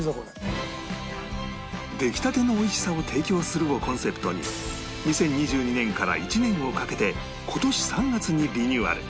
「出来たての美味しさを提供する」をコンセプトに２０２２年から１年をかけて今年３月にリニューアル